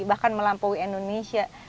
bahkan melampaui indonesia